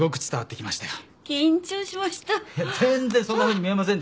全然そんなふうに見えませんでしたよ。